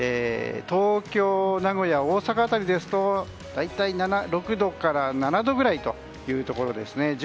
東京、名古屋、大阪辺りですと大体６度から７度くらいというところですね。